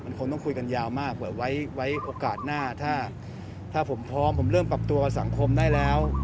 คงต้องคุยกันยาวมากเผื่อไว้โอกาสหน้าถ้าผมพร้อมผมเริ่มปรับตัวกับสังคมได้แล้ว